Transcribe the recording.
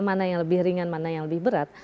mana yang lebih ringan mana yang lebih berat